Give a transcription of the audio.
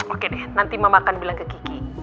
oke deh nanti mama akan bilang ke kiki